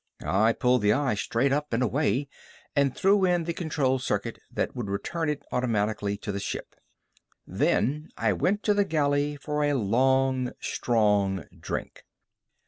I pulled the eye straight up and away and threw in the control circuit that would return it automatically to the ship. Then I went to the galley for a long, strong drink.